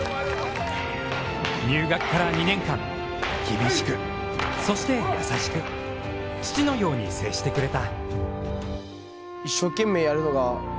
入学から２年間、厳しく、そして優しく、父のように接してくれた。